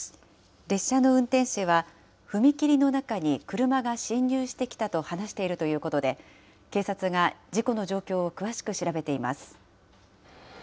列車の運転士は、踏切の中に車が進入してきたと話しているということで、警察が事故の状況を詳しく調べています。